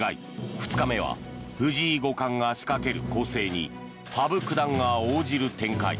２日目は藤井五冠が仕掛ける攻勢に羽生九段が応じる展開。